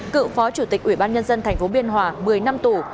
cựu phó chủ tịch ủy ban nhân dân tp biên hòa một mươi năm tù